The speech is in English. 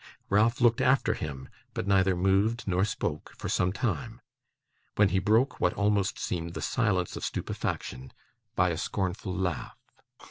Ralph looked after him, but neither moved nor spoke for some time: when he broke what almost seemed the silence of stupefaction, by a scornful laugh.